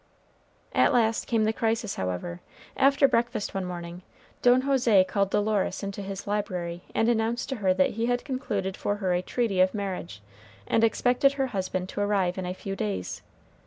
At last came the crisis, however. After breakfast one morning, Don José called Dolores into his library and announced to her that he had concluded for her a treaty of marriage, and expected her husband to arrive in a few days.